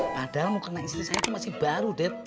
padahal mukena istri saya itu masih baru dad